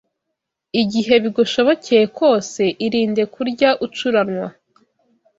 Igihe bigushobokeye kose, irinde kurya ucuranwa